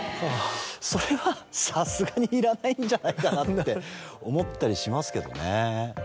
それはさすがにいらないんじゃないかなって思ったりしますけどね。